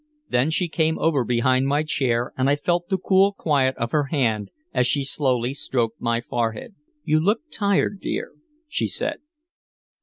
Then she came over behind my chair and I felt the cool quiet of her hand as she slowly stroked my forehead. "You look tired, dear," she said.